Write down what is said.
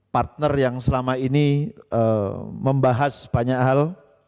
partner yang selama ini membahas banyak hal